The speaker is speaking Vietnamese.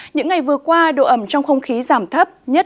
những ngày vừa qua độ ẩm trong không khí giảm thấp nhất